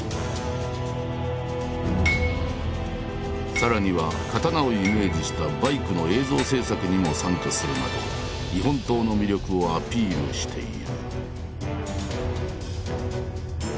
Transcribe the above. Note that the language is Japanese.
さらには刀をイメージしたバイクの映像制作にも参加するなど日本刀の魅力をアピールしている。